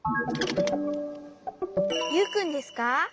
ユウくんですか？